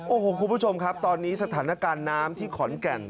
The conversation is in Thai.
โอ้โหคุณผู้ชมครับตอนนี้สถานการณ์น้ำที่ขอนแก่น